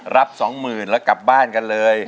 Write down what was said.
รับ๒๐๐๐แล้วกลับบ้านกันเลย